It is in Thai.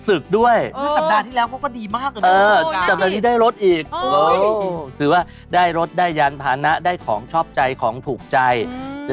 สุดแนก็มีเข้ามาก็ฉะนั้นไม่ต้องกังวล